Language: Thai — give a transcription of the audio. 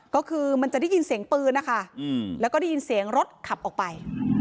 ก็คือมันจะได้ยินเสียงปืนนะคะแล้วก็ได้ยินเสียงรถขับออกไป